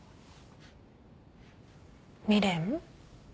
未練？